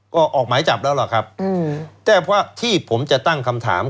ก็ออกหมายจับแล้วล่ะครับแต่เพราะที่ผมจะตั้งคำถาม